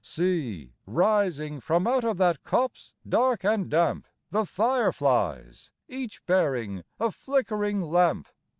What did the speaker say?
See, rising from out of that copse, dark and damp, The fire flies, each bearing a flickering lamp!